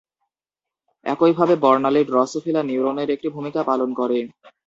একইভাবে, বর্ণালী "ড্রসোফিলা" নিউরনে একটি ভূমিকা পালন করে।